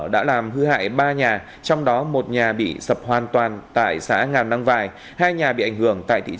đã làm hư hại ba nhà trong đó một nhà bị sập hoàn toàn tại xã ngàn đăng vài